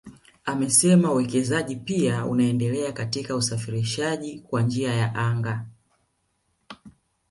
Amesema uwekezaji pia unaendelea katika usafirishaji kwa njia ya anga